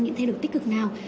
những thay đổi tích cực nào